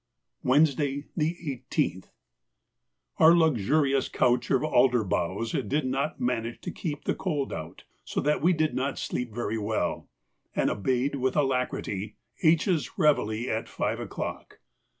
Wednesday, the 18th.—Our luxurious couch of alder boughs did not manage to keep the cold out, so that we did not sleep very well, and obeyed with alacrity H.'s réveille at five o'clock.